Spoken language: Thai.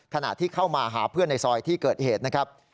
ขณะที่เข้ามาหาเพื่อนในซอยที่เกิดเหตุนะครับ